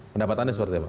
pendapatannya seperti apa